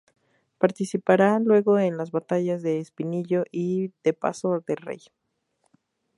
Participará luego en las batallas de Espinillo y de Paso del Rey.